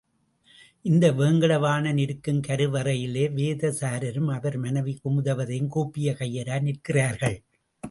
இந்த வேங்கடவாணன் இருக்கும் கருவறையிலே வேதசாரரும், அவர் மனைவி குமுதவதையும் கூப்பிய கையராய் நிற்கிறார்கள்.